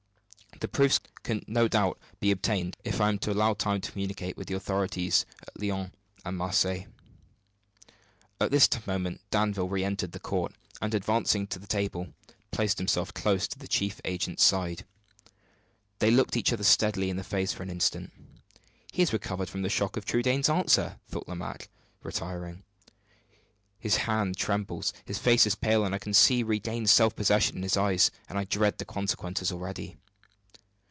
The proofs can no doubt be obtained if I am allowed time to communicate with the authorities at Lyons and Marseilles." At this moment Danville re entered the court; and, advancing to the table, placed himself close by the chief agent's side. They looked each other steadily in the face for an instant. "He has recovered from the shock of Trudaine's answer," thought Lomaque, retiring. "His hand trembles, his face is pale, but I can see regained self possession in his eye, and I dread the consequences already."